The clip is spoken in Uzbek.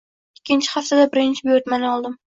Ikkinchi haftada birinchi buyurtmani oldim.